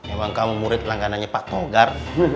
emang kamu murid langganannya pak togar